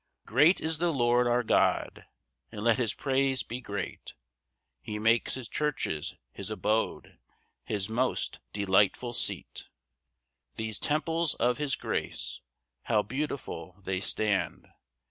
1 [Great is the Lord our God, And let his praise be great; He makes his churches his abode, His most delightful seat. 2 These temples of his grace, How beautiful they stand!